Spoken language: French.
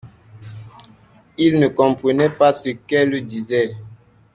Il ne comprenait pas ce qu’elle disait.